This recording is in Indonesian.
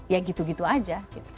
ya gitu gitu saja